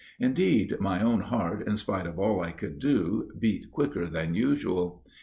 Indeed, my own heart, in spite of all I could do, beat quicker than usual.